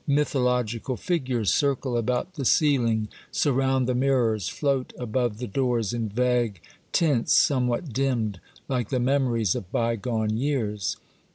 Myth ological figures circle about the ceiling, surround the mirrors, float above the doors in vague tints somewhat dimmed, like the memories of by gone years.